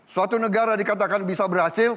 suatu negara dikatakan bisa berhasil